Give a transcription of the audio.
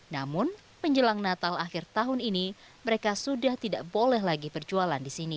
namun menjelang natal akhir tahun ini mereka sudah tidak boleh lagi perjualan di sini